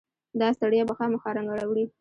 داستړیا به خامخا رنګ راوړي.